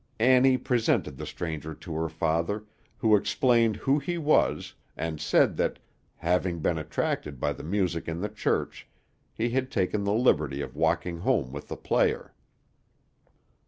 Annie presented the stranger to her father, who explained who he was, and said that, having been attracted by the music in the church, he had taken the liberty of walking home with the player.